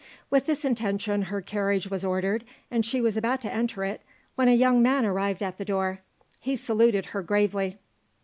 With this intention her carriage was ordered and she was about to enter it, when a young man arrived at the door. He saluted her gravely.